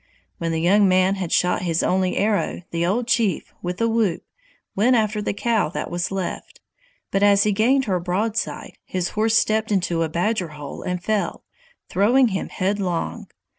When the young man had shot his only arrow, the old chief with a whoop went after the cow that was left, but as he gained her broadside, his horse stepped in a badger hole and fell, throwing him headlong.